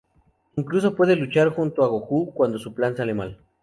Incluso puede luchar junto a Goku cuando su plan sale mal.